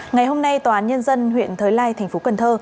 ngày hôm nay tòa án nhân dân huyện thới lai thành phố cần thơ